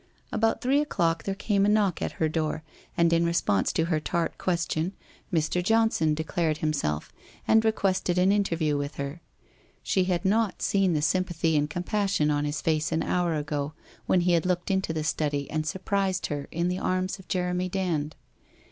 About three o'clock there came a knock at her door, and in response to her tart question, Mr. Johnson declared him self, and requested an interview with her. She had not seen the sympathy and compassion on his face an hour ago, when he had looked into the study and surprised her in the arms of Jeremy Dand.